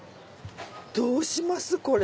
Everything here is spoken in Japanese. どうしますこれ。